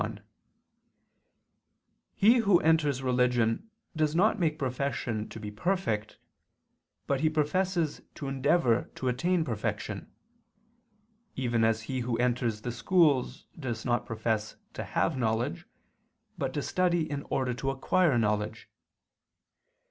1: He who enters religion does not make profession to be perfect, but he professes to endeavor to attain perfection; even as he who enters the schools does not profess to have knowledge, but to study in order to acquire knowledge.